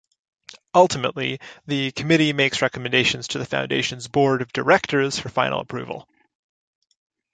Ultimately, the Committee makes recommendations to the Foundation's Board of Directors for final approval.